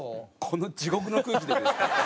この地獄の空気でですか？